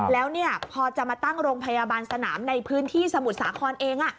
แล้วพอจะมาตั้งโรงพยาบาลสนามในพื้นที่สมุทรสาครเอง